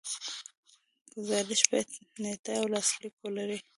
ګزارش باید نیټه او لاسلیک ولري.